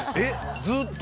ずっと？